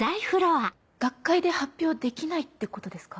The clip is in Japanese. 学会で発表できないってことですか？